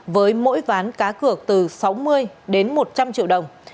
với mỗi ván cá cược từ sáu mươi đến một trăm linh triệu đồng